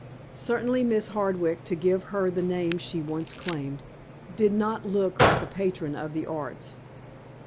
Certainly, Mrs. Hardwick, to give her the name she once claimed, did not look like a patron of the arts.